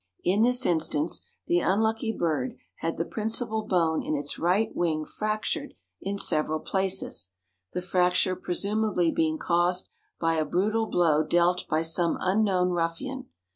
In this instance, the unlucky bird had the principal bone in its right wing fractured in several places, the fracture presumably being caused by a brutal blow dealt by some unknown ruffian.